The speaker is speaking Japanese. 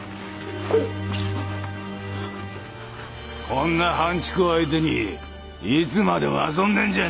こんな半ちくを相手にいつまでも遊んでんじゃねえ。